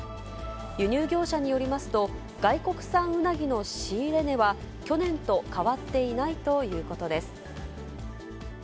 輸入業者によりますと、外国産うなぎの仕入れ値は、去年と変わっていないということです。